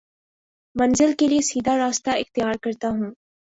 منزل کے لیے سیدھا راستہ اختیار کرتا ہوں